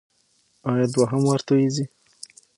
ایا دوهم وار توییږي؟